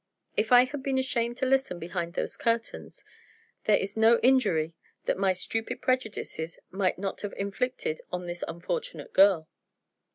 If I had been ashamed to listen behind those curtains, there is no injury that my stupid prejudices might not have inflicted on this unfortunate girl.